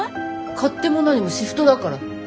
勝手も何もシフトだから。